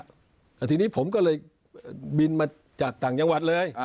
ทีนี้ผมก็เลยบินมาจากต่างจังหวัดเลย